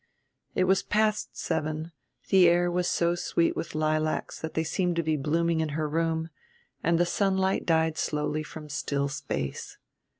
It was past seven, the air was so sweet with lilacs that they seemed to be blooming in her room, and the sunlight died slowly from still space.